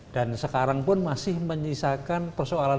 dan sekarang pun masih menyisakan persoalan